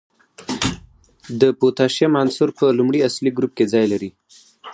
د پوتاشیم عنصر په لومړي اصلي ګروپ کې ځای لري.